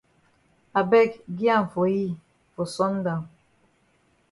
I beg gi am for yi for sun down.